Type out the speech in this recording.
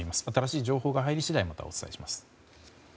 新しい情報が入り次第またお伝えします。